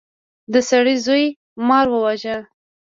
د سړي زوی مار وواژه.